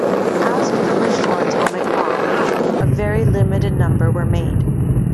As with the original atomic bomb, a very limited number were made.